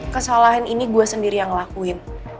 kesalahan ini gue sendiri yang lakuin